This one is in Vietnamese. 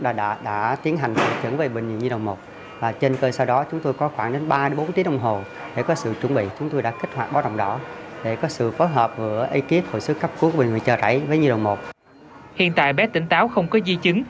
và do bệnh viện nhi động một bác sĩ bệnh viện nhi động một đã triển khai báo động đỏ liên tục